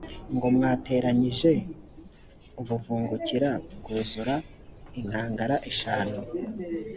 ngo mwateranyije ubuvungukira bwuzura inkangara eshanu?